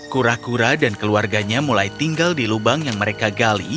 kura kura dan keluarganya mulai tinggal di lubang yang mereka gali